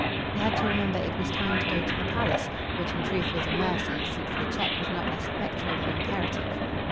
He had to remember it was time to go to the palace which in truth was a mercy, since the check was not less effectual than imperative.